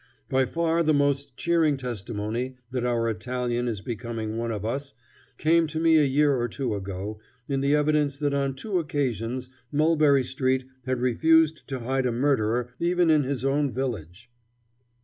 By far the most cheering testimony that our Italian is becoming one of us came to me a year or two ago in the evidence that on two occasions Mulberry Street had refused to hide a murderer even in his own village.